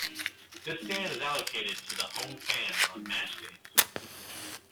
This stand is allocated to the home fans on match days.